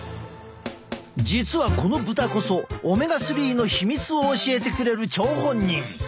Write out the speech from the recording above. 実はこの豚こそオメガ３の秘密を教えてくれる張本人。